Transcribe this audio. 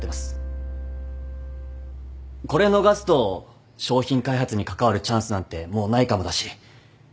これ逃すと商品開発に関わるチャンスなんてもうないかもだし。